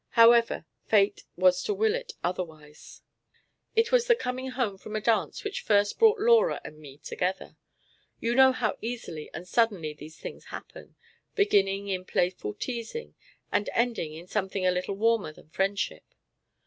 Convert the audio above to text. However, fate was to will it otherwise. It was the coming home from a dance which first brought Laura and me together. You know how easily and suddenly these things happen, beginning in playful teasing and ending in something a little warmer than friendship.